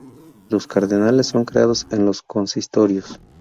Los cardenales son creados en los consistorios.